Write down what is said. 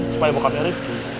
supaya bokapnya rifqi